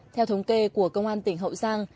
theo thống kê của công an tỉnh hậu giang